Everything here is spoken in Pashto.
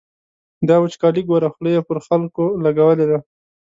دا وچکالي ګوره، خوله یې پر خلکو لګولې ده.